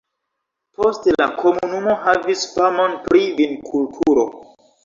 Poste la komunumo havis famon pri vinkulturo.